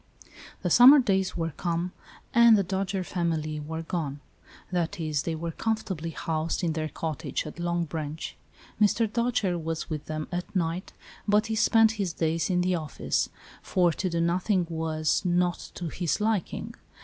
The summer days were come and the Do j ere family were gone ; that is, they were comfortably housed, in their cottage, at Long Branch. Mr. Dojere was with them at night, but he spent his days in the office, for to do nothing was not to his liking.